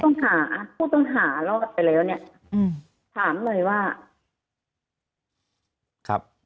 ผู้ต่อหารอดไปแล้วเนี่ยถามหน่อยว่า